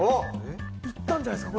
いったんじゃないですか？